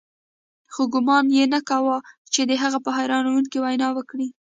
خو ګومان یې نه کاوه چې هغه به حیرانوونکې وینا وکړي